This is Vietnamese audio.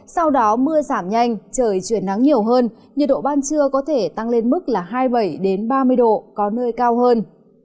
sau đó mưa giảm nhanh trời chuyển nắng nhiều hơn nhiệt độ ban trưa có thể tăng lên mức là hai mươi bảy ba mươi độ có nơi cao hơn